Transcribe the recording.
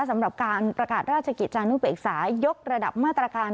สำหรับการประกาศราชกิจจานุเบกษายกระดับมาตรการ